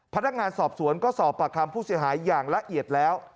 พนักงานสอบสวนก็สอบปากคำผู้เสียหายอย่างละเอียดแล้ว